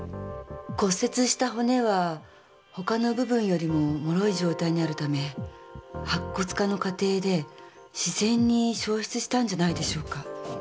骨折した骨は他の部分よりももろい状態にあるため白骨化の過程で自然に消失したんじゃないでしょうか？